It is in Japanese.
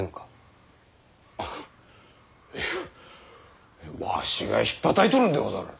あいやわしがひっぱたいとるんでござる。